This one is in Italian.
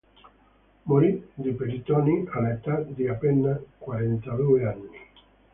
Morì di peritonite all'età di appena quarantadue anni.